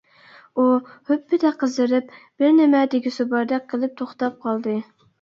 ئۇ ھۈپپىدە قىزىرىپ بىرنېمە دېگۈسى باردەك قىلىپ توختاپ قالدى.